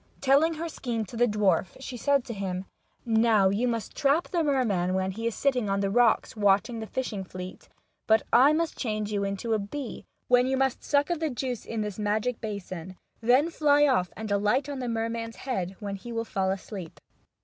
Telling her scheme to the dwarf, she said to him :" Now you must trap the merman when he is. sitting on the rocks watching the fishing fleet. But I must change you into a bee, when you must suck of the juice in this magic basin, then fly off and alight on the merman's head, when he will fall asleep."